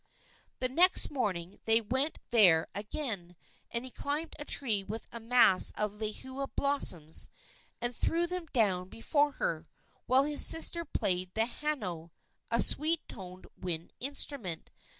The next morning they went there again, and he climbed a tree with a mass of lehua blossoms, and threw them down before her, while his sister played the hano, a sweet toned wind instrument.